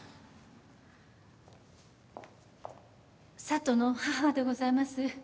佐都の母でございます。